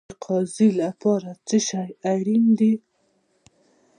د قاضي لپاره څه شی اړین دی؟